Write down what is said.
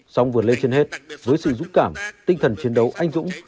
song vượt lên trên hết với sự dũng cảm tinh thần chiến đấu anh dũng